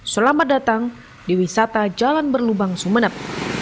selamat datang di wisata jalan berlubang sumeneb